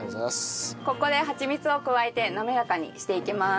ここでハチミツを加えて滑らかにしていきます。